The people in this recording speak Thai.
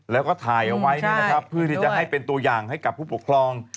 แล้วก็ถ่ายเอาไว้เพื่อที่จะให้เป็นตัวอย่างให้กับผู้ปกครอง